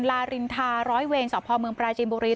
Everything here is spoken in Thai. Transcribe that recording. ลารินทาร้อยเวรสพเมืองปราจีนบุรี